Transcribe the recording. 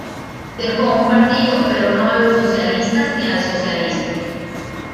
Dejó un partido, pero no a los socialistas ni al socialismo.